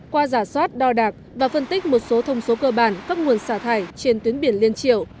qua giả soát đo đạc và phân tích một số thông số cơ bản các nguồn xả thải trên tuyến biển liên triệu